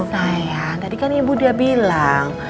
sayang tadi kan ibu udah bilang